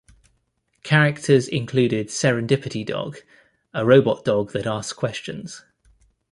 Characters included Serendipity Dog, a robot dog that asked questions.